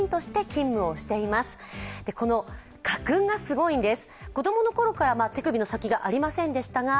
家訓がすごいんです。